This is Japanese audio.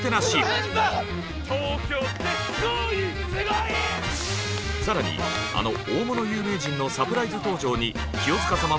更にあの大物有名人のサプライズ登場に清塚様もびっくり！